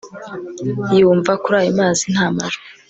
yumva, kuri ayo mazi nta majwi